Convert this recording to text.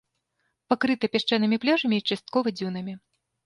Пакрыта пясчанымі пляжамі і часткова дзюнамі.